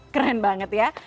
keren banget ya